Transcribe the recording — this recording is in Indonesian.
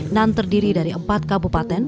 dan terdiri dari empat kabupaten